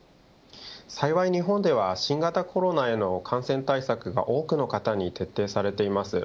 幸い日本では新型コロナへの感染対策が多くの方に徹底されています。